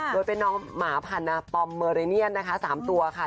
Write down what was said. โดยเป็นน้องหมาพันนาปอมเมอเรเนียนนะคะ๓ตัวค่ะ